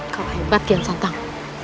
kau hebat hukian santang